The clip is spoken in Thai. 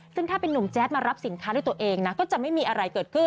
ซึ่งถ้าเป็นนุ่มแจ๊ดมารับสินค้าด้วยตัวเองนะก็จะไม่มีอะไรเกิดขึ้น